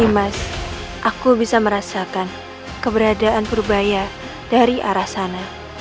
mas aku bisa merasakan keberadaan purbaya dari arah sana